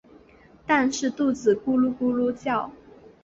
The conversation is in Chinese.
但是肚子咕噜咕噜叫